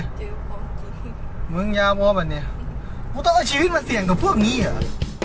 เจอความจริงเหมือนยาวพอแบบเนี้ยกูต้องเอาชีวิตมาเสี่ยงกับพวกนี้หรอ